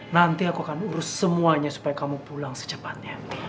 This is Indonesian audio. nanti aku akan urus semuanya supaya kamu pulang secepatnya